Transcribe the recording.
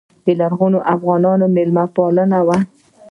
لرغوني افغانان میلمه پال وو